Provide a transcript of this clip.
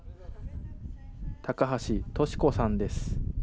高橋利子さんです。